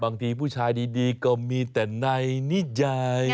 บางทีผู้ชายดีก็มีแต่ในนิยาย